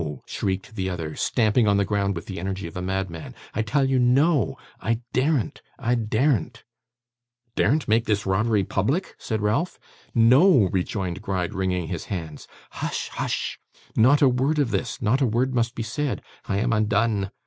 shrieked the other, stamping on the ground with the energy of a madman. 'I tell you no. I daren't, I daren't!' 'Daren't make this robbery public?' said Ralph. 'No!' rejoined Gride, wringing his hands. 'Hush! Hush! Not a word of this; not a word must be said. I am undone.